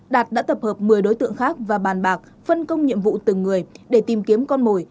đạt đã tập hợp một mươi đối tượng khác và bàn bạc phân công nhiệm vụ từng người để tìm kiếm con mồi